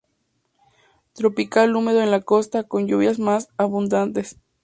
Tropical húmedo en la costa, con lluvias más abundantes.